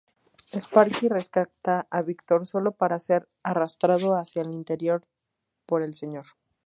Sparky rescata a Víctor, sólo para ser arrastrado hacia el interior por el Sr.